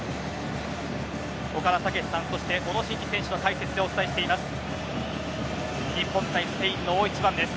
岡田武史さん小野伸二さんの解説でお伝えしています。